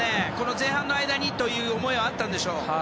前半の間にという思いはあったんでしょう。